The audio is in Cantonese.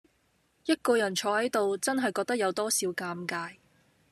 一個人坐喺度，真係覺得有多少尷尬